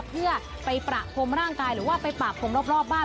เพื่อไปประพรมร่างกายหรือว่าไปปราบพรมรอบบ้าน